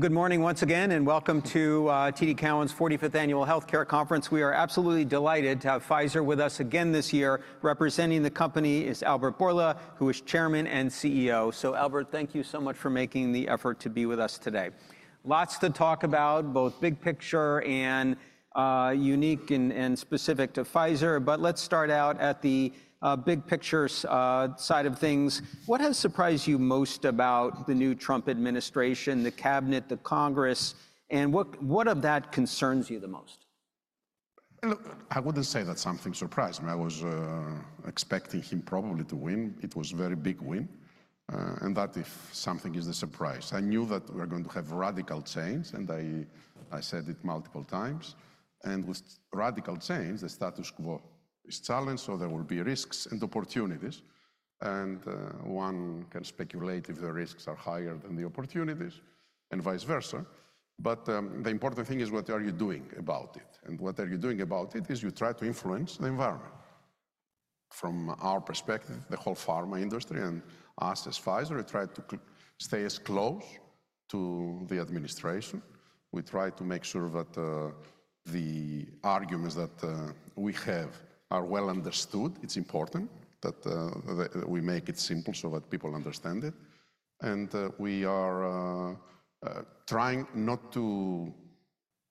Good morning once again, and welcome to TD Cowen's 45th Annual Healthcare Conference. We are absolutely delighted to have Pfizer with us again this year. Representing the company is Albert Bourla, who is Chairman and CEO. So, Albert, thank you so much for making the effort to be with us today. Lots to talk about, both big picture and unique and specific to Pfizer, but let's start out at the big picture side of things. What has surprised you most about the new Trump administration, the cabinet, the Congress, and what of that concerns you the most? I wouldn't say that's something surprising. I was expecting him probably to win. It was a very big win, and that, if something is the surprise, I knew that we're going to have radical change, and I said it multiple times, and with radical change, the status quo is challenged, so there will be risks and opportunities, and one can speculate if the risks are higher than the opportunities, and vice versa, but the important thing is, what are you doing about it, and what are you doing about it is you try to influence the environment. From our perspective, the whole pharma industry and us as Pfizer, we try to stay as close to the administration. We try to make sure that the arguments that we have are well understood. It's important that we make it simple so that people understand it. And we are trying not to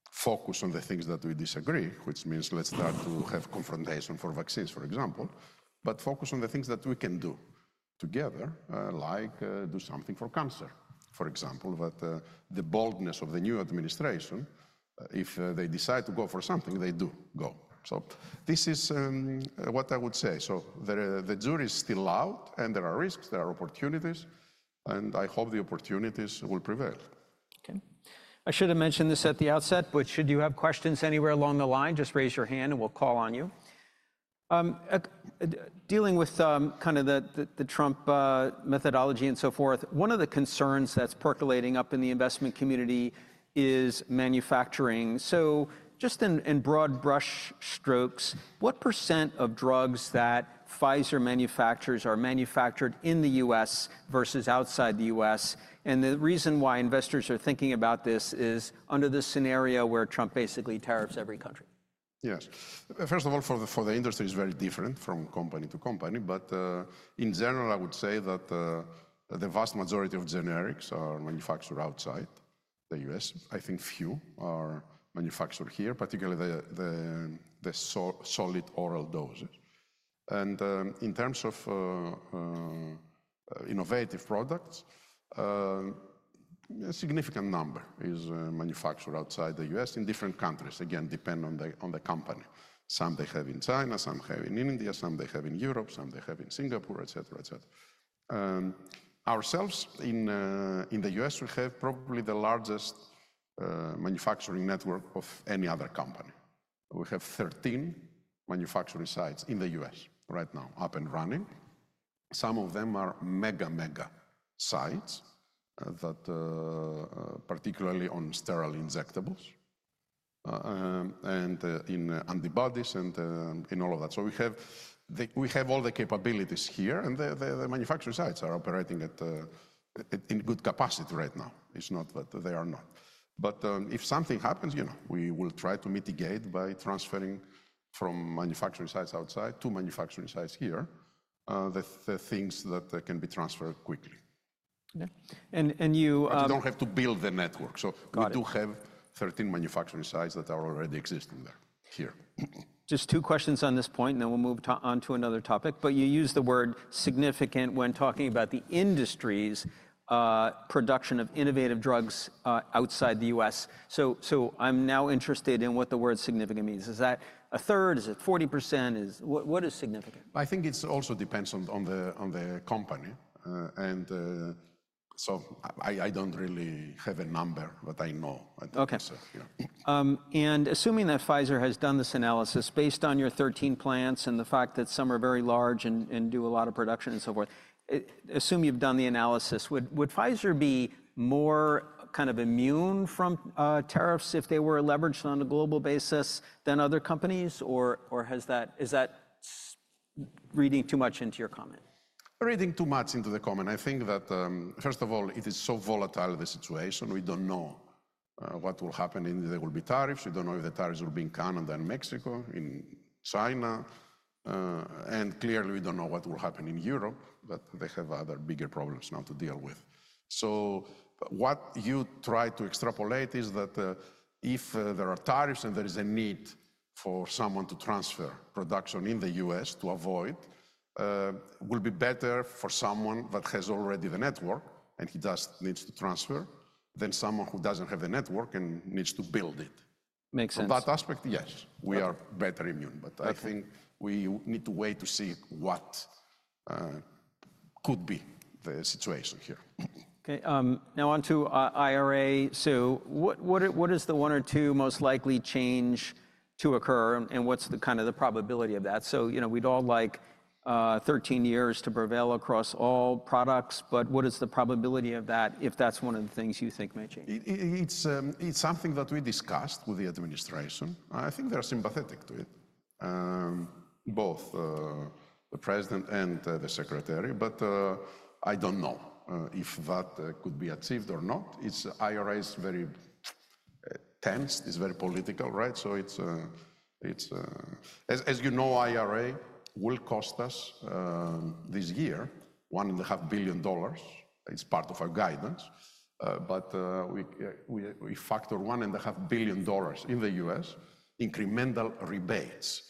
focus on the things that we disagree, which means let's start to have confrontation for vaccines, for example, but focus on the things that we can do together, like do something for cancer, for example. But the boldness of the new administration, if they decide to go for something, they do go. So this is what I would say. So the jury is still out, and there are risks, there are opportunities, and I hope the opportunities will prevail. Okay. I should have mentioned this at the outset, but should you have questions anywhere along the line, just raise your hand and we'll call on you. Dealing with kind of the Trump methodology and so forth, one of the concerns that's percolating up in the investment community is manufacturing. So just in broad brush strokes, what percent of drugs that Pfizer manufactures are manufactured in the U.S. versus outside the U.S.? And the reason why investors are thinking about this is under the scenario where Trump basically tariffs every country. Yes. First of all, for the industry, it's very different from company to company. But in general, I would say that the vast majority of generics are manufactured outside the U.S. I think few are manufactured here, particularly the solid oral doses. And in terms of innovative products, a significant number is manufactured outside the U.S. in different countries, again, depending on the company. Some they have in China, some have in India, some they have in Europe, some they have in Singapore, et cetera, et cetera. Ourselves in the U.S., we have probably the largest manufacturing network of any other company. We have 13 manufacturing sites in the U.S. right now, up and running. Some of them are mega, mega sites that particularly on sterile injectables and in antibodies and in all of that. So we have all the capabilities here, and the manufacturing sites are operating in good capacity right now. It's not that they are not. But if something happens, we will try to mitigate by transferring from manufacturing sites outside to manufacturing sites here, the things that can be transferred quickly. Okay. And you. We don't have to build the network. So we do have 13 manufacturing sites that are already existing there. Here. Just two questions on this point, and then we'll move on to another topic. But you use the word significant when talking about the industry's production of innovative drugs outside the U.S. So I'm now interested in what the word significant means. Is that a third? Is it 40%? What is significant? I think it also depends on the company, and so I don't really have a number, but I know. Okay. And assuming that Pfizer has done this analysis based on your 13 plants and the fact that some are very large and do a lot of production and so forth, assume you've done the analysis, would Pfizer be more kind of immune from tariffs if they were leveraged on a global basis than other companies? Or is that reading too much into your comment? Reading too much into the comment. I think that, first of all, it is so volatile, the situation. We don't know what will happen. There will be tariffs. We don't know if the tariffs will be in Canada and Mexico, in China, and clearly, we don't know what will happen in Europe, but they have other bigger problems now to deal with, so what you try to extrapolate is that if there are tariffs and there is a need for someone to transfer production in the U.S. to avoid, it will be better for someone that has already the network and he just needs to transfer than someone who doesn't have the network and needs to build it. Makes sense. From that aspect, yes, we are better immune. But I think we need to wait to see what could be the situation here. Okay. Now on to IRA, So. What is the one or two most likely change to occur, and what's the kind of probability of that? So we'd all like 13 years to prevail across all products, but what is the probability of that if that's one of the things you think may change? It's something that we discussed with the administration. I think they're sympathetic to it, both the president and the secretary. But I don't know if that could be achieved or not. IRA is very tense. It's very political, right? So it's, as you know, IRA will cost us this year $1.5 billion. It's part of our guidance. But we factor $1.5 billion in the U.S., incremental rebates.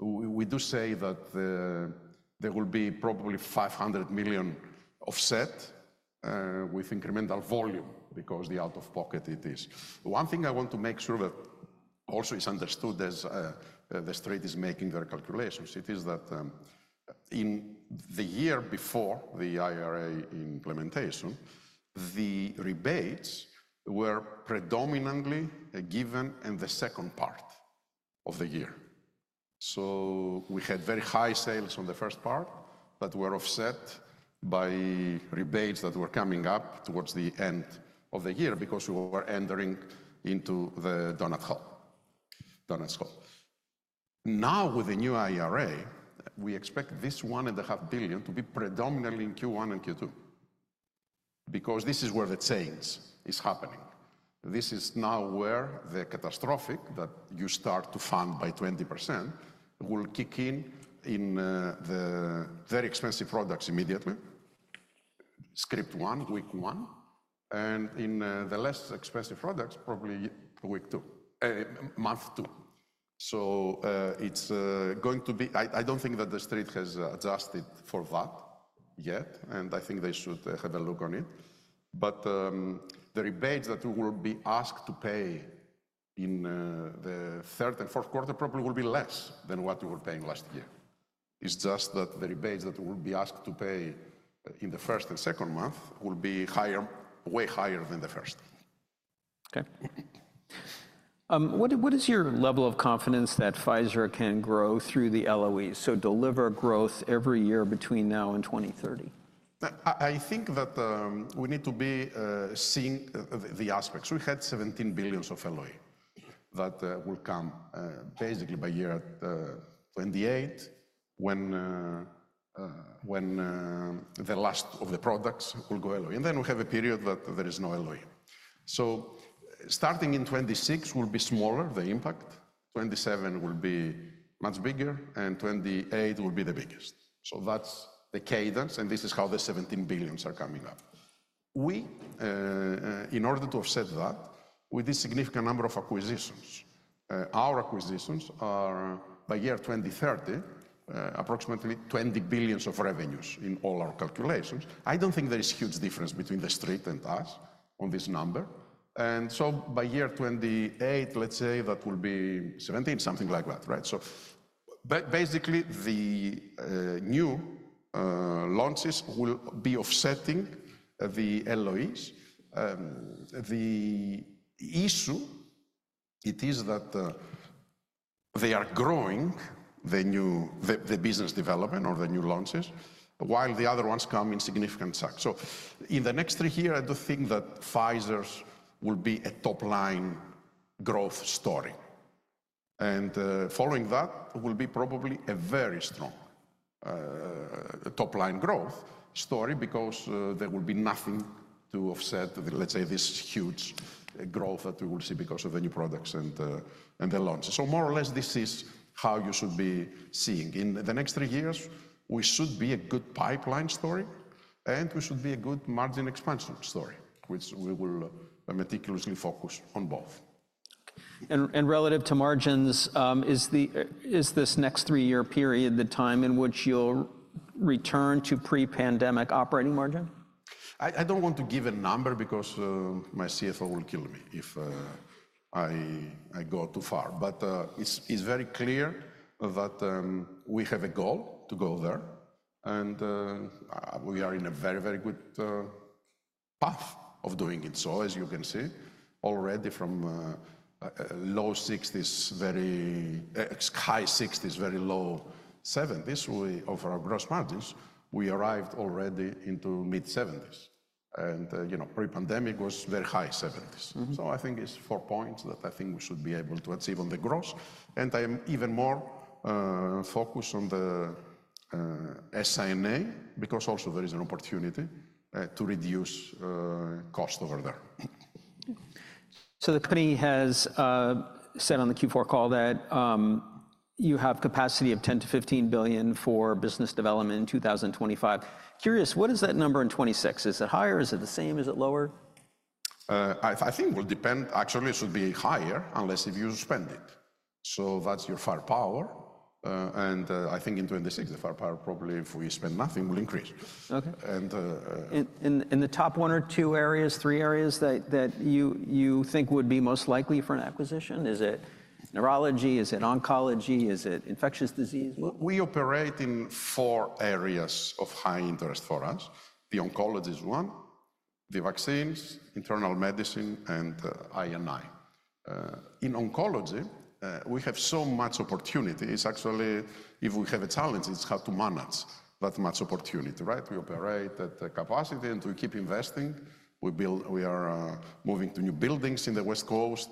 We do say that there will be probably $500 million offset with incremental volume because the out-of-pocket it is. One thing I want to make sure that also is understood as the street is making their calculations, it is that in the year before the IRA implementation, the rebates were predominantly given in the second part of the year. So we had very high sales on the first part that were offset by rebates that were coming up towards the end of the year because we were entering into the donut hole. Now with the new IRA, we expect this $1.5 billion to be predominantly in Q1 and Q2 because this is where the change is happening. This is now where the catastrophic that you start to fund by 20% will kick in in the very expensive products immediately, script one, week one. And in the less expensive products, probably week two, month two. So it's going to be, I don't think that the street has adjusted for that yet, and I think they should have a look on it. But the rebates that we will be asked to pay in the third and fourth quarter probably will be less than what we were paying last year. It's just that the rebates that we will be asked to pay in the first and second month will be way higher than the first. Okay. What is your level of confidence that Pfizer can grow through the LOEs? So deliver growth every year between now and 2030? I think that we need to be seeing the aspects. We had $17 billion of LOE that will come basically by year 2028 when the last of the products will go LOE. And then we have a period that there is no LOE. So starting in 2026 will be smaller, the impact. 2027 will be much bigger, and 2028 will be the biggest. So that's the cadence, and this is how the $17 billion are coming up. We, in order to offset that, with this significant number of acquisitions. Our acquisitions are by year 2030, approximately $20 billion of revenues in all our calculations. I don't think there is a huge difference between the street and us on this number. And so by year 2028, let's say that will be $17 billion, something like that, right? So basically, the new launches will be offsetting the LOEs. The is, it is that they are growing the new business development or the new launches, while the other ones come in significant size. So in the next three years, I do think that Pfizer will be a top-line growth story. And following that, it will be probably a very strong top-line growth story because there will be nothing to offset the, let's say, this huge growth that we will see because of the new products and the launches. So more or less, this is how you should be seeing. In the next three years, we should be a good pipeline story, and we should be a good margin expansion story, which we will meticulously focus on both. And relative to margins, is this next three-year period the time in which you'll return to pre-pandemic operating margin? I don't want to give a number because my CFO will kill me if I go too far, but it's very clear that we have a goal to go there, and we are in a very, very good path of doing it. As you can see, already from low 60s, very high 60s, very low 70s, we offer our gross margins. We arrived already into mid-70s, and pre-pandemic was very high 70s. I think it's four points that I think we should be able to achieve on the gross. I am even more focused on the SI&A because also there is an opportunity to reduce cost over there. So the company has said on the Q4 call that you have capacity of $10-$15 billion for business development in 2025. Curious, what is that number in 2026? Is it higher? Is it the same? Is it lower? I think it will depend. Actually, it should be higher unless if you suspend it. So that's your firepower. And I think in 2026, the firepower probably if we spend nothing will increase. Okay, and the top one or two areas, three areas that you think would be most likely for an acquisition? Is it neurology? Is it oncology? Is it infectious disease? We operate in four areas of high interest for us. The oncology is one, the vaccines, internal medicine, and I&I. In oncology, we have so much opportunities. Actually, if we have a challenge, it's how to manage that much opportunity, right? We operate at capacity and we keep investing. We are moving to new buildings in the West Coast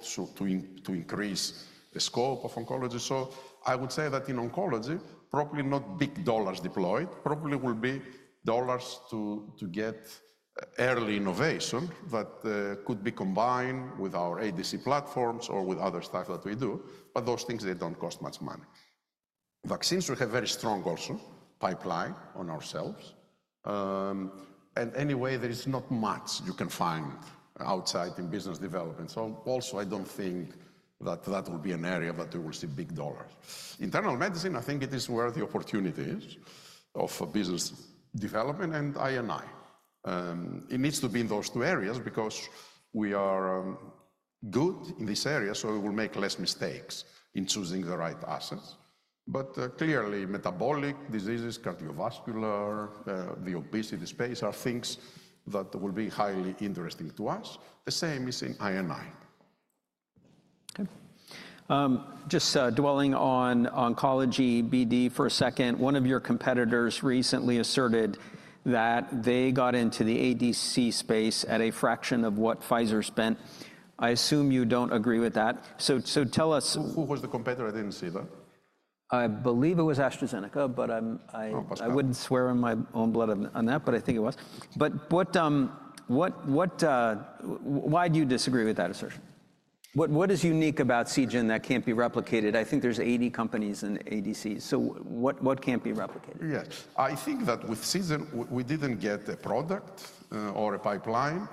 to increase the scope of oncology. So I would say that in oncology, probably not big dollars deployed. Probably will be dollars to get early innovation that could be combined with our ADC platforms or with other stuff that we do. But those things, they don't cost much money. Vaccines, we have very strong also pipeline on ourselves. And anyway, there is not much you can find outside in business development. So also, I don't think that that will be an area that we will see big dollars. Internal medicine, I think it is where the opportunities of business development and I&I. It needs to be in those two areas because we are good in this area, so we will make less mistakes in choosing the right assets. But clearly, metabolic diseases, cardiovascular, the obesity space are things that will be highly interesting to us. The same is in I&I. Okay. Just dwelling on oncology, BD, for a second. One of your competitors recently asserted that they got into the ADC space at a fraction of what Pfizer spent. I assume you don't agree with that. So tell us. Who was the competitor? I didn't see that. I believe it was AstraZeneca, but I wouldn't swear on my own blood on that, but I think it was. But why do you disagree with that assertion? What is unique about Seagen that can't be replicated? I think there's 80 companies in ADCs. So what can't be replicated? Yes. I think that with Seagen, we didn't get a product or a pipeline.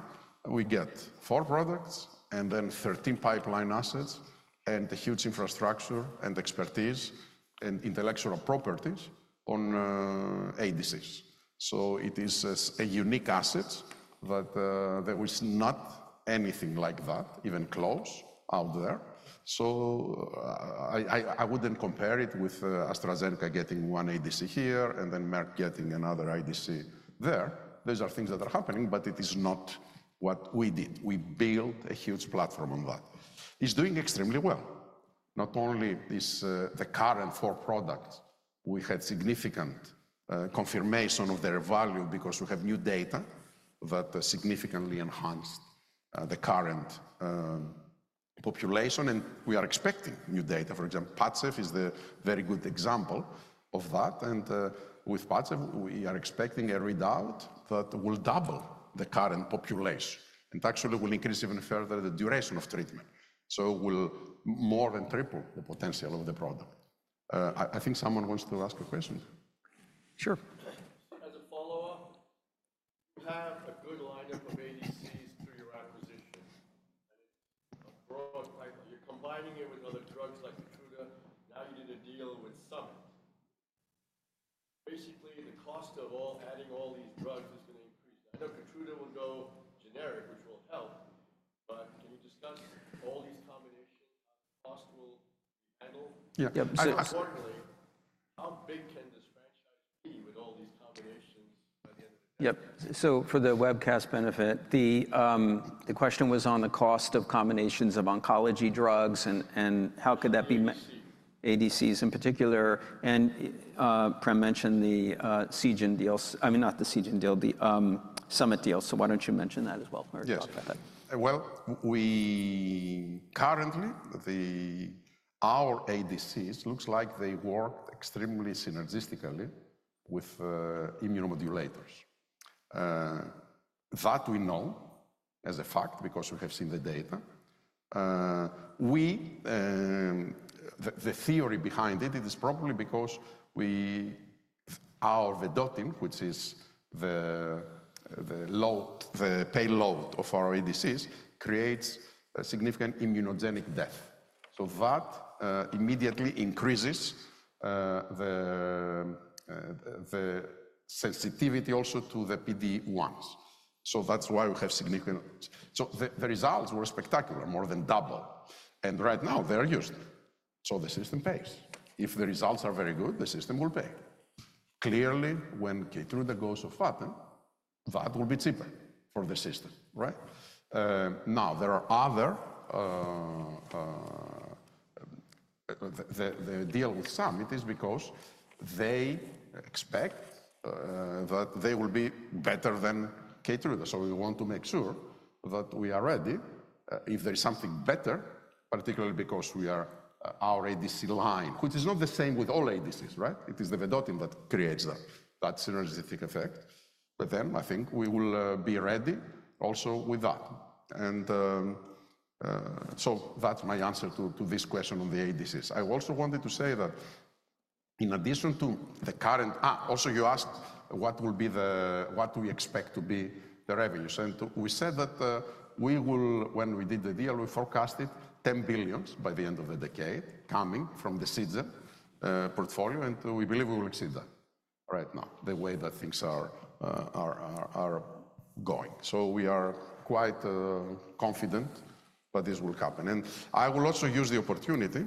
We get four products and then 13 pipeline assets and a huge infrastructure and expertise and intellectual properties on ADCs. So it is a unique asset that there was not anything like that, even close out there. So I wouldn't compare it with AstraZeneca getting one ADC here and then Merck getting another ADC there. Those are things that are happening, but it is not what we did. We built a huge platform on that. It's doing extremely well. Not only is the current four products, we had significant confirmation of their value because we have new data that significantly enhanced the current population. And we are expecting new data. For example, Padcev is a very good example of that. And with Padcev, we are expecting a readout that will double the current population. And actually, it will increase even further the duration of treatment. So it will more than triple the potential of the product. I think someone wants to ask a question. Sure. As a follow-up, you have a good lineup of ADCs through your acquisition. You're combining it with other drugs like Keytruda. Now you did a deal with Summit. Basically, the cost of adding all these drugs is going to increase. I know Keytruda will go generic, which will help. But can you discuss all these combinations? How the cost will be handled? Yeah. More importantly, how big can this franchise be with all these combinations by the end of the day? Yep. So for the webcast benefit, the question was on the cost of combinations of oncology drugs and how could that be ADCs in particular. And Prem mentioned the Seagen deal. I mean, not the Seagen deal, the Summit deal. So why don't you mention that as well? Yes. Well, currently, our ADCs looks like they work extremely synergistically with immunomodulators. That we know as a fact because we have seen the data. The theory behind it, it is probably because our Vedotin, which is the payload of our ADCs, creates significant immunogenic death. So that immediately increases the sensitivity also to the PD-1s. So that's why we have significant... So the results were spectacular, more than double. And right now, they're used. So the system pays. If the results are very good, the system will pay. Clearly, when Keytruda goes to patent, that will be cheaper for the system, right? Now, there are other... The deal with Summit is because they expect that they will be better than Keytruda. So we want to make sure that we are ready if there is something better, particularly because we are our ADC line, which is not the same with all ADCs, right? It is the Vedotin that creates that synergistic effect. But then I think we will be ready also with that. And so that's my answer to this question on the ADCs. I also wanted to say that in addition to the current... also you asked what will be the... What do we expect to be the revenues? And we said that we will, when we did the deal, we forecasted $10 billion by the end of the decade coming from the Seagen portfolio. And we believe we will exceed that right now, the way that things are going. So we are quite confident that this will happen. And I will also use the opportunity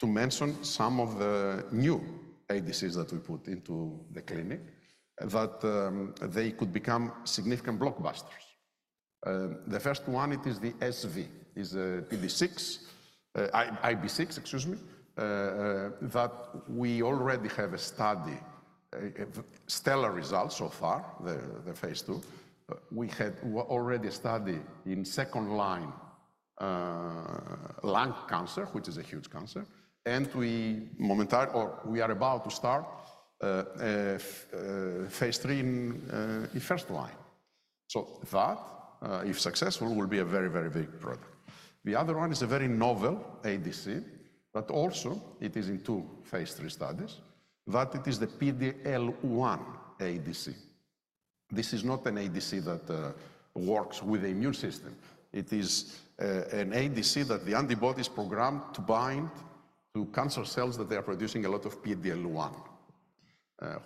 to mention some of the new ADCs that we put into the clinic that they could become significant blockbusters. The first one, it is the SV, is the IB6, excuse me, that we already have a study, stellar results so far, the phase two. We had already a study in second line lung cancer, which is a huge cancer. And we are about to start phase three in first line. So that, if successful, will be a very, very big product. The other one is a very novel ADC, but also it is in two phase three studies that it is the PD-L1 ADC. This is not an ADC that works with the immune system. It is an ADC that the antibodies program to bind to cancer cells that they are producing a lot of PD-L1,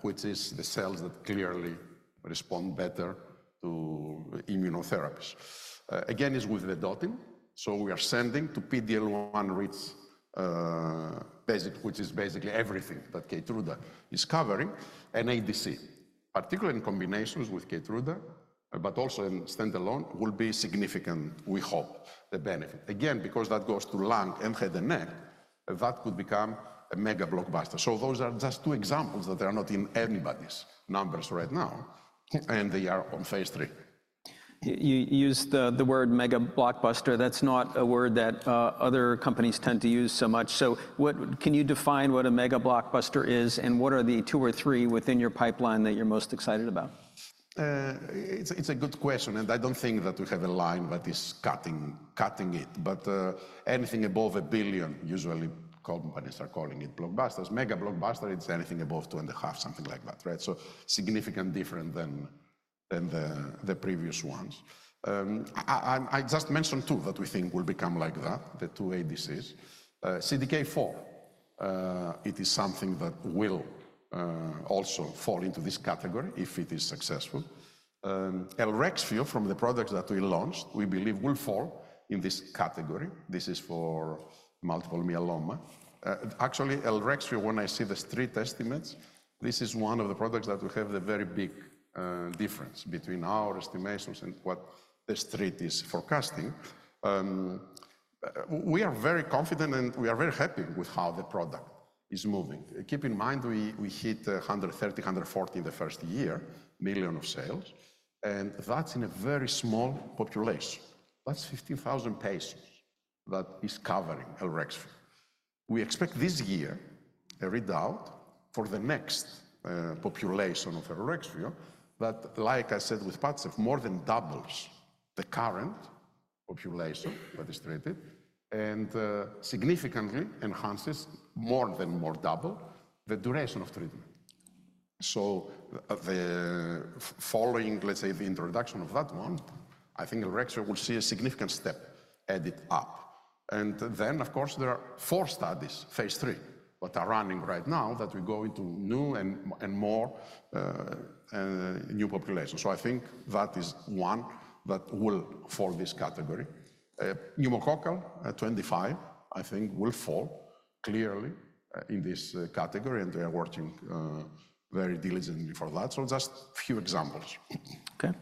which is the cells that clearly respond better to immunotherapies. Again, it's with Vedotin. So we are sending to PD-L1, which is basically everything that Keytruda is covering, an ADC, particularly in combinations with Keytruda, but also in standalone, will be significant, we hope, the benefit. Again, because that goes to lung and head and neck, that could become a mega blockbuster. So those are just two examples that are not in anybody's numbers right now, and they are on phase three. You used the word mega blockbuster. That's not a word that other companies tend to use so much. So can you define what a mega blockbuster is and what are the two or three within your pipeline that you're most excited about? It's a good question, and I don't think that we have a line that is cutting it. But anything above a billion, usually companies are calling it blockbusters. Mega blockbuster, it's anything above two and a half, something like that, right? So significantly different than the previous ones. I just mentioned two that we think will become like that, the two ADCs. CDK4, it is something that will also fall into this category if it is successful. Elrexfio, from the products that we launched, we believe will fall in this category. This is for multiple myeloma. Actually, Elrexfio, when I see the street estimates, this is one of the products that will have the very big difference between our estimations and what the street is forecasting. We are very confident and we are very happy with how the product is moving. Keep in mind, we hit $130-140 million of sales. And that's in a very small population. That's 15,000 patients that is covering Elrexfio. We expect this year a readout for the next population of Elrexfio that, like I said with Padcev, more than doubles the current population that is treated and significantly enhances, more than double, the duration of treatment. So following, let's say, the introduction of that one, I think Elrexfio will see a significant step added up. And then, of course, there are four studies, phase 3, that are running right now that we go into new and more new populations. So I think that is one that will fall in this category. Pneumococcal 25, I think, will fall clearly in this category, and they are working very diligently for that. So just a few examples. Okay.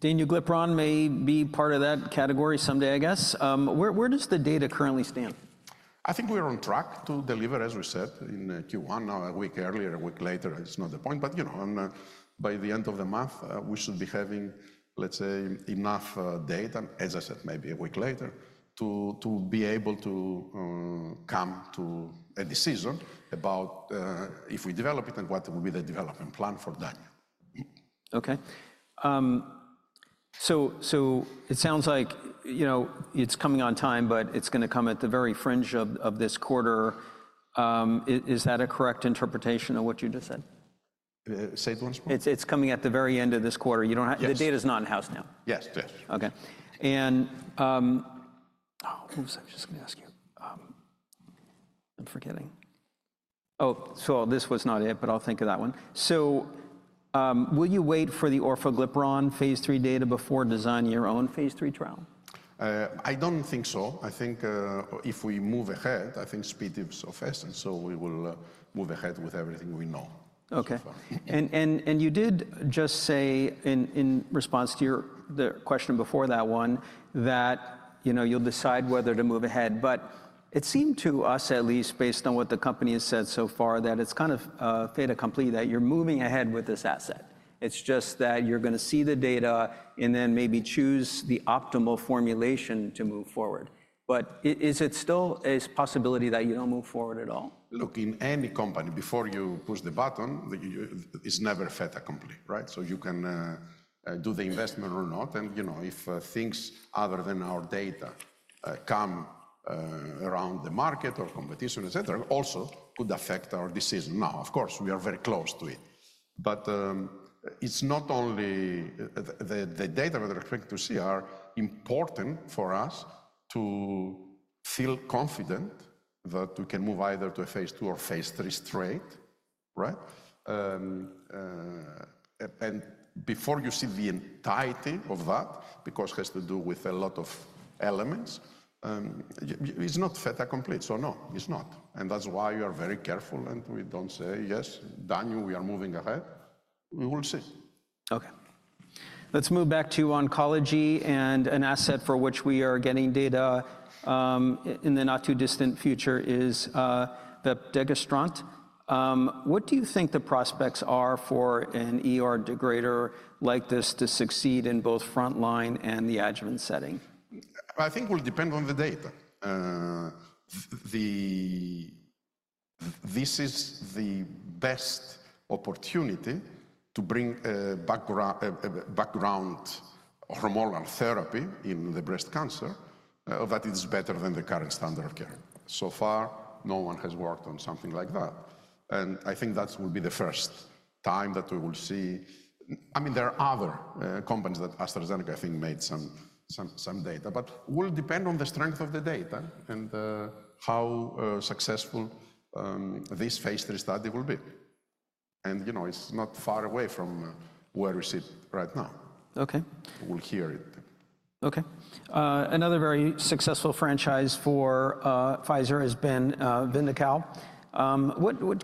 Danuglipron may be part of that category someday, I guess. Where does the data currently stand? I think we are on track to deliver, as we said, in Q1, a week earlier, a week later. It's not the point. But you know, by the end of the month, we should be having, let's say, enough data, as I said, maybe a week later, to be able to come to a decision about if we develop it and what will be the development plan for that. Okay. So it sounds like it's coming on time, but it's going to come at the very fringe of this quarter. Is that a correct interpretation of what you just said? Say it once more. It's coming at the very end of this quarter. The data is not in-house now. Yes, yes. Okay. And I'm just going to ask you. I'm forgetting. Oh, so this was not it, but I'll think of that one. So will you wait for the orforglipron phase 3 data before designing your own phase 3 trial? I don't think so. I think if we move ahead, I think speed is so fast, and so we will move ahead with everything we know. Okay. And you did just say in response to the question before that one that you'll decide whether to move ahead. But it seemed to us, at least based on what the company has said so far, that it's kind of a fait accompli that you're moving ahead with this asset. It's just that you're going to see the data and then maybe choose the optimal formulation to move forward. But is it still a possibility that you don't move forward at all? Look, in any company, before you push the button, it's never fait accompli, right? So you can do the investment or not. And if things other than our data come around the market or competition, etc., also could affect our decision. Now, of course, we are very close to it. But it's not only the data that we're expecting to see are important for us to feel confident that we can move either to a phase two or phase three straight, right? And before you see the entirety of that, because it has to do with a lot of elements, it's not fait accompli. So no, it's not. And that's why we are very careful and we don't say, "Yes, Dani, we are moving ahead." We will see. Okay. Let's move back to oncology and an asset for which we are getting data in the not too distant future is the vepdegestrant. What do you think the prospects are for a degrader like this to succeed in both frontline and the adjuvant setting? I think it will depend on the data. This is the best opportunity to bring background hormonal therapy in the breast cancer that is better than the current standard of care. So far, no one has worked on something like that, and I think that will be the first time that we will see. I mean, there are other companies that AstraZeneca, I think, made some data, but it will depend on the strength of the data and how successful this phase three study will be, and it's not far away from where we sit right now. Okay. We'll hear it. Okay. Another very successful franchise for Pfizer has been Vyndaqel.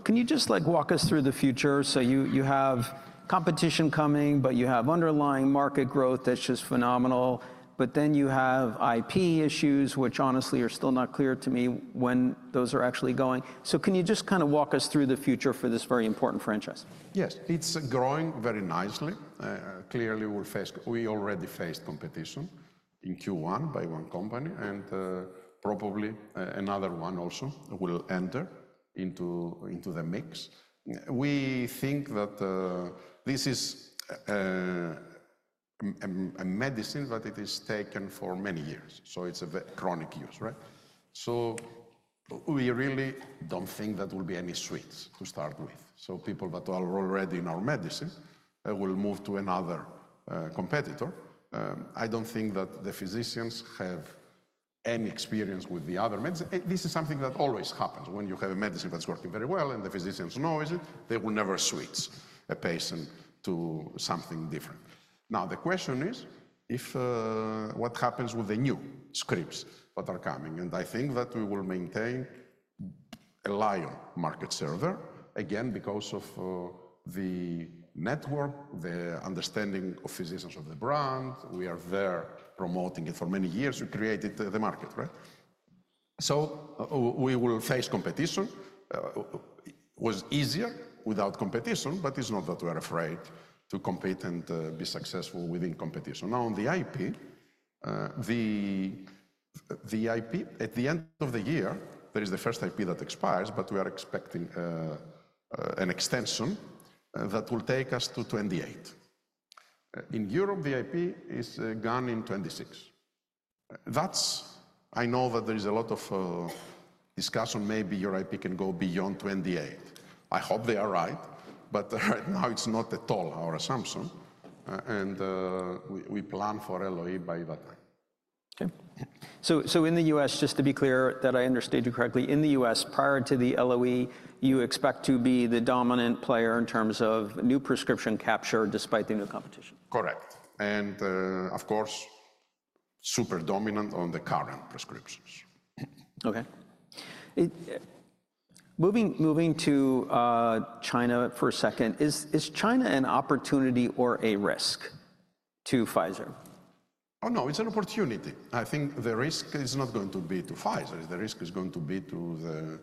Can you just walk us through the future? So you have competition coming, but you have underlying market growth that's just phenomenal. But then you have IP issues, which honestly are still not clear to me when those are actually going. So can you just kind of walk us through the future for this very important franchise? Yes. It's growing very nicely. Clearly, we already faced competition in Q1 by one company and probably another one also will enter into the mix. We think that this is a medicine that it is taken for many years. So it's a chronic use, right? So we really don't think that will be any switchers to start with, so people that are already in our medicine will move to another competitor. I don't think that the physicians have any experience with the other medicine. This is something that always happens. When you have a medicine that's working very well and the physicians know it, they will never switch a patient to something different. Now, the question is what happens with the new scripts that are coming, and I think that we will maintain a lion's market share again because of the network, the understanding of physicians of the brand. We are there promoting it for many years. We created the market, right? So we will face competition. It was easier without competition, but it's not that we are afraid to compete and be successful within competition. Now, on the IP, at the end of the year, there is the first IP that expires, but we are expecting an extension that will take us to 2028. In Europe, the IP is gone in 2026. I know that there is a lot of discussion. Maybe your IP can go beyond 2028. I hope they are right, but right now it's not at all our assumption and we plan for LOE by that time. Okay. In the U.S., just to be clear that I understood you correctly, in the U.S., prior to the LOE, you expect to be the dominant player in terms of new prescription capture despite the new competition. Correct, and of course, super dominant on the current prescriptions. Okay. Moving to China for a second, is China an opportunity or a risk to Pfizer? Oh, no, it's an opportunity. I think the risk is not going to be to Pfizer. The risk is going to be to the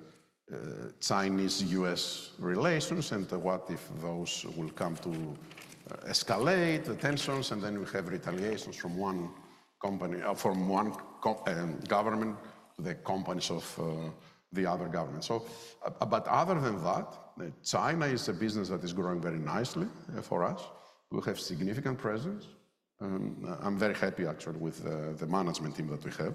Chinese-U.S. relations. And what if those will come to escalate tensions and then we have retaliations from one government to the companies of the other government. But other than that, China is a business that is growing very nicely for us. We have significant presence. I'm very happy, actually, with the management team that we have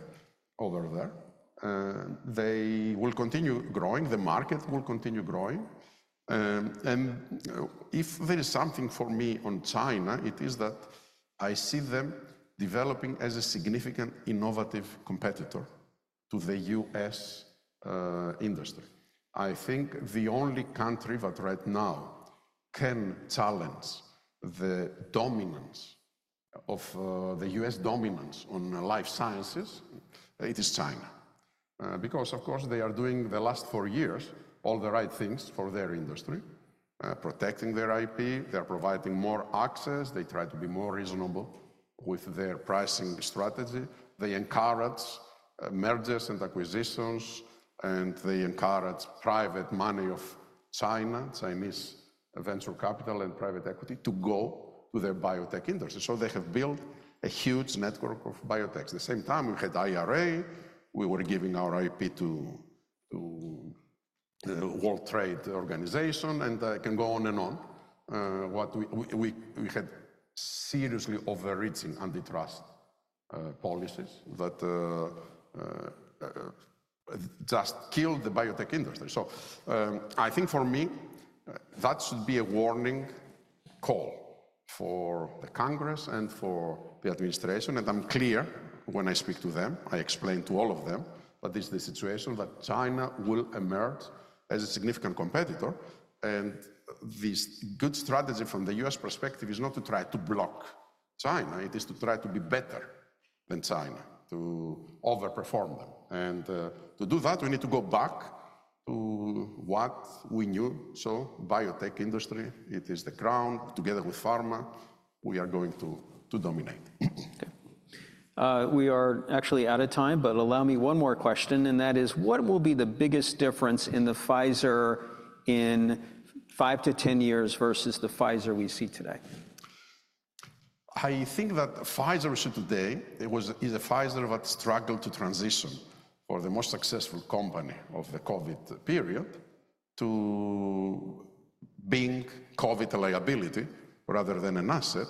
over there. They will continue growing. The market will continue growing. And if there is something for me on China, it is that I see them developing as a significant innovative competitor to the U.S. industry. I think the only country that right now can challenge the dominance of the U.S. dominance on life sciences. It is China. Because, of course, they are doing the last four years all the right things for their industry, protecting their IP. They're providing more access. They try to be more reasonable with their pricing strategy. They encourage mergers and acquisitions, and they encourage private money of China, Chinese venture capital and private equity to go to their biotech industry. So they have built a huge network of biotechs. At the same time, we had IRA. We were giving our IP to the World Trade Organization, and I can go on and on. We had seriously overreaching antitrust policies that just killed the biotech industry. So I think for me, that should be a warning call for the Congress and for the administration. And I'm clear when I speak to them. I explain to all of them that this is the situation that China will emerge as a significant competitor. This good strategy from the U.S. perspective is not to try to block China. It is to try to be better than China, to overperform them. To do that, we need to go back to what we knew. Biotech industry, it is the crown. Together with pharma, we are going to dominate. Okay. We are actually out of time, but allow me one more question, and that is, what will be the biggest difference in the Pfizer in five to 10 years versus the Pfizer we see today? I think that Pfizer we see today is a Pfizer that struggled to transition for the most successful company of the COVID period to being COVID liability rather than an asset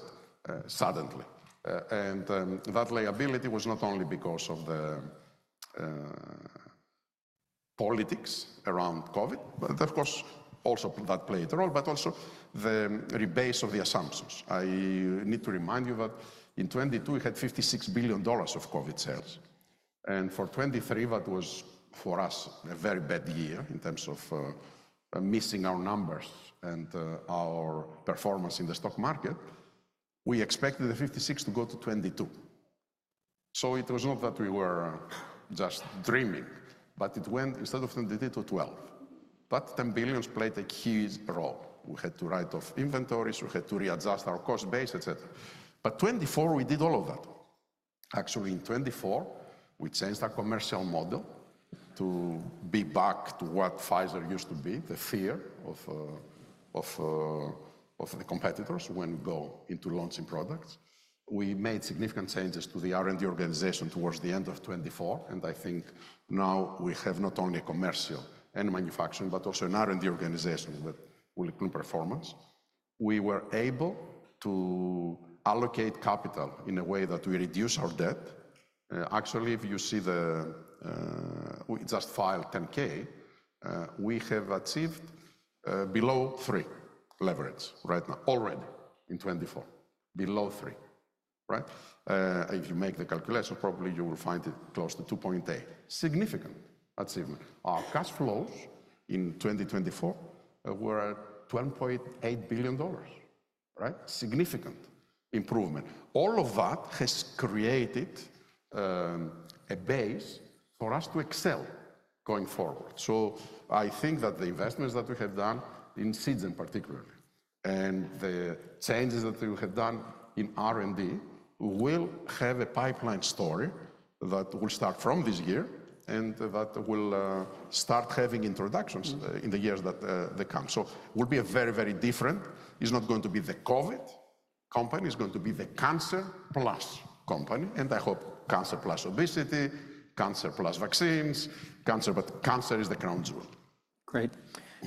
suddenly. That liability was not only because of the politics around COVID, but of course, also that played a role, but also the rebase of the assumptions. I need to remind you that in 2022, we had $56 billion of COVID sales. For 2023, that was for us a very bad year in terms of missing our numbers and our performance in the stock market. We expected the $56 billion to go to $22 billion. It was not that we were just dreaming, but it went instead of $23 billion to $12 billion. $10 billion played a huge role. We had to write off inventories. We had to readjust our cost base, etc. But 2024, we did all of that. Actually, in 2024, we changed our commercial model to be back to what Pfizer used to be, the fear of the competitors when we go into launching products. We made significant changes to the R&D organization towards the end of 2024. And I think now we have not only a commercial and manufacturing, but also an R&D organization that will improve performance. We were able to allocate capital in a way that we reduce our debt. Actually, if you see, we just filed 10-K, we have achieved below three leverage right now, already in 2024, below three, right? If you make the calculation, probably you will find it close to 2.8. Significant achievement. Our cash flows in 2024 were $12.8 billion, right? Significant improvement. All of that has created a base for us to excel going forward. So I think that the investments that we have done in Seagen in particular and the changes that we have done in R&D will have a pipeline story that will start from this year and that will start having introductions in the years that come. So it will be a very, very different. It's not going to be the COVID company. It's going to be the cancer plus company. And I hope cancer plus obesity, cancer plus vaccines, cancer, but cancer is the crown jewel. Great.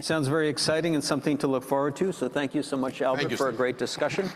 Sounds very exciting and something to look forward to. So thank you so much, Albert, for a great discussion.